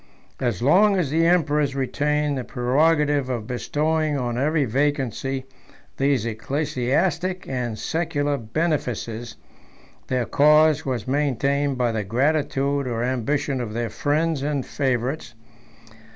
As long as the emperors retained the prerogative of bestowing on every vacancy these ecclesiastic and secular benefices, their cause was maintained by the gratitude or ambition of their friends and favorites.